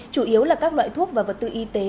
chủ yếu là các loại thuốc và vật tư y tế